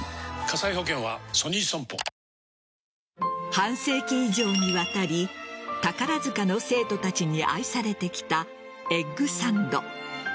半世紀以上にわたり宝塚の生徒たちに愛されてきたエッグサンド。